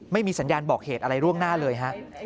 ไม่มีสัญญาณบอกเหตุอะไรร่วงหน้าเลยฮะ